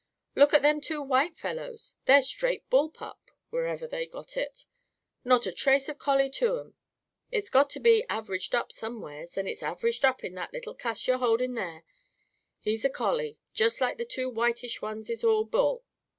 Look at them two white fellows! They're straight bull pup. (Wherever they got it!) Not a trace of collie to 'em. It's got to be av'raged up, somewheres. And it's av'raged up in that little cuss you're holding there. He's all collie. Just like the two whitish ones is all bull.